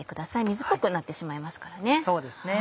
水っぽくなってしまいますからね。